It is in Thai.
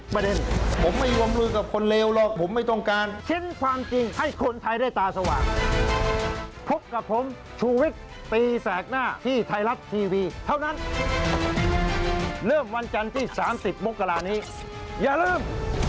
โปรโมทรายการคุณผู้ชมคือดิฉันนี้ได้เห็นไปพร้อม